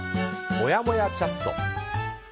もやもやチャット。